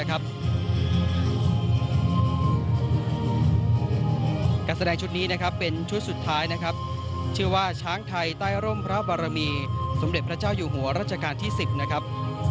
การแสดงชุดนี้นะครับเป็นชุดสุดท้ายนะครับชื่อว่าช้างไทยใต้ร่มพระบารมีสมเด็จพระเจ้าอยู่หัวรัชกาลที่๑๐นะครับ